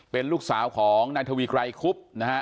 เป็นลูกสาวของนายทวีไกรคุบนะฮะ